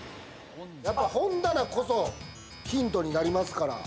本棚こそヒントになりますから。